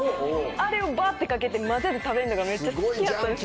あれをバってかけて混ぜて食べるのがめっちゃ好きやったんですよ。